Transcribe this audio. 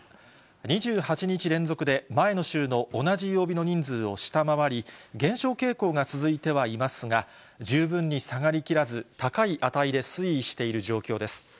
２８日連続で前の週の同じ曜日の人数を下回り、減少傾向が続いてはいますが、十分に下がりきらず、高い値で推移している状況です。